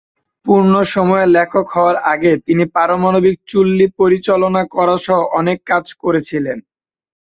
পূর্ণ-সময়ের লেখক হওয়ার আগে, তিনি পারমাণবিক চুল্লি পরিচালনা করাসহ অনেক কাজ করেছিলেন।